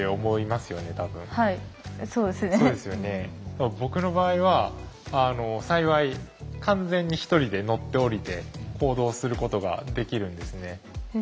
でも僕の場合は幸い完全に１人で乗って降りて行動することができるんですね。